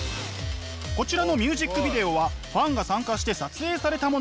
こちらのミュージックビデオはファンが参加して撮影されたもの。